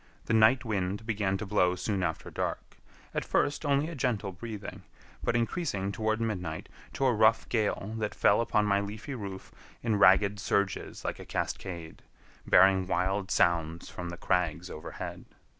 The night wind began to blow soon after dark; at first only a gentle breathing, but increasing toward midnight to a rough gale that fell upon my leafy roof in ragged surges like a cascade, bearing wild sounds from the crags overhead.